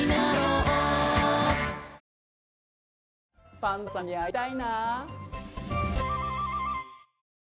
パンダさんに会いたいな。